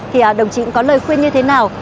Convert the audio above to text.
thì đồng chí có lời khuyên như thế nào